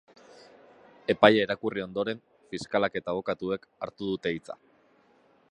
Epaia irakurri ondoren, fiskalak eta abokatuek hartu dute hitza.